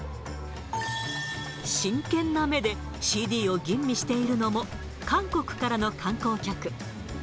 真剣な目でＣＤを吟味しているのも、韓国からの観光客。